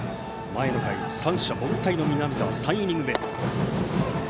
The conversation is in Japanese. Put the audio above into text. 前の回、三者凡退の南澤３イニング目。